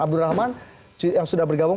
abdul rahman yang sudah bergabung